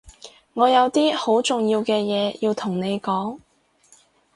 我有啲好重要嘅嘢要同你講